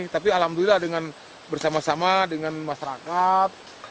tapi alhamdulillah dengan bersama sama dengan masyarakat